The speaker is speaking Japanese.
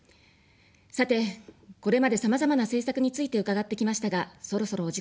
さて、これまで、さまざまな政策について伺ってきましたが、そろそろお時間です。